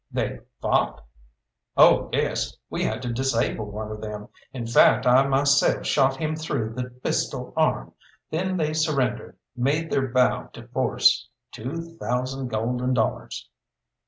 "They fought?" "Oh, yes, we had to disable one of them; in fact I myself shot him through the pistol arm. Then they surrendered, made their bow to force. Two thousand golden dollars!"